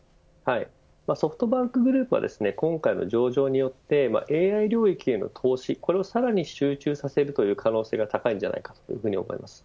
ソフトバンクグループは今回の上場によってＡＩ領域への投資これをさらに集中させる可能性が高いと思います。